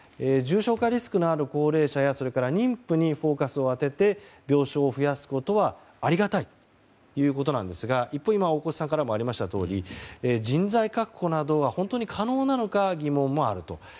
重症化リスクのある高齢者や妊婦にフォーカスを当てて病床を増やすことはありがたいということなんですが一方、大越さんからもありましたとおり人材確保などは本当に可能なのか疑問もあると。